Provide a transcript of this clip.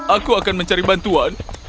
aku akan mencari bantuan